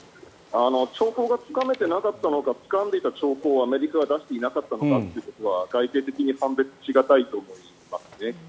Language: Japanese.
兆候がつかめていなかったのかつかんでいた兆候をアメリカが出していなかったのかということは外形的に判別し難いと思いますね。